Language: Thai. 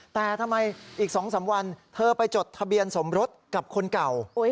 แต่ทำไมอีก๒๓วันเธอไปจดทะเบียนสมรสกับคนเก่า